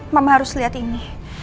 mama harus lihat ini